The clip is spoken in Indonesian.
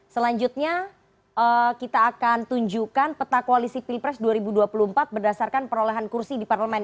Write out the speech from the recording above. selanjutnya kita akan tunjukkan peta koalisi pilpres dua ribu dua puluh empat berdasarkan perolehan kursi di parlemen